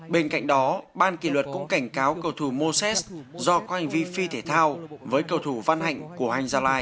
bên cạnh đó ban kỷ luật cũng cảnh cáo cầu thủ moses do có hành vi phi thể thao với cầu thủ văn hạnh của anh gia lai